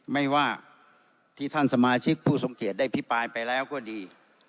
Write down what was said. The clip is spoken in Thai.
ไม่ว่าที่ท่านสมาชิกผู้ทรงเกียจได้พิปรายไปแล้วก็ดี